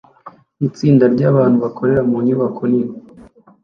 Itsinda ryabantu bakorera mu nyubako nini